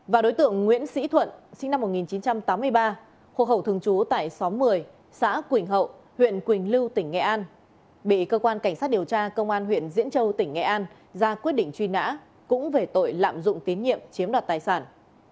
và đối tượng nguyễn sĩ thuận sinh năm một nghìn chín trăm tám mươi ba hộ khẩu thường trú tại xóm một mươi xã quỳnh hậu huyện quỳnh lưu tỉnh nghệ an bị cơ quan cảnh sát điều tra công an huyện diễn châu tỉnh nghệ an ra quyết định truy nã cũng về tội lạm dụng tín nhiệm chiếm đoạt tài sản